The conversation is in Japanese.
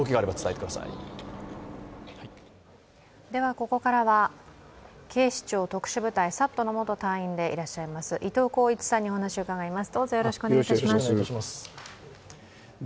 ここからは警視庁特殊部隊ＳＡＴの元部員でいらっしゃる伊藤鋼一さんにお話を伺います。